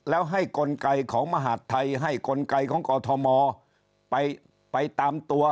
แล้วให้กลไกของมหาดไทยให้กลไกของกอทมไปตามตัว